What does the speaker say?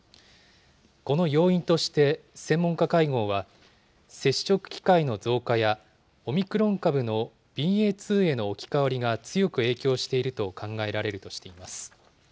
この要因として専門家会合は、接触機会の増加や、オミクロン株のＢＡ．２への置き換わりが強く影響していると考えられるとしています。